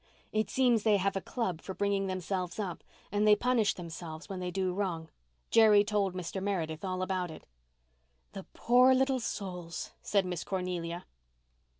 It seems they have a club for bringing themselves up, and they punish themselves when they do wrong. Jerry told Mr. Meredith all about it." "The poor little souls," said Miss Cornelia.